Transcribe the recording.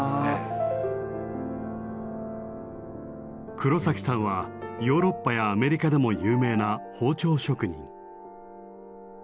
黒さんはヨーロッパやアメリカでも有名な包丁職人。